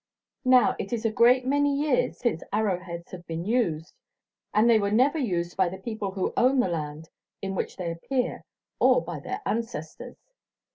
Now, it is a great many years since arrow heads have been used, and they were never used by the people who own the land in which they appear or by their ancestors.